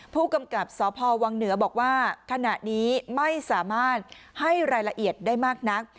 ผู้กำกับสพวังเหนือบอกว่าขณะนี้ไม่สามารถให้รายละเอียดได้มากนัก